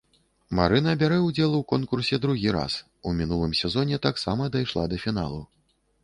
Марына бярэ ўдзел у конкурсе другі раз, у мінулым сезоне таксама дайшла да фіналу.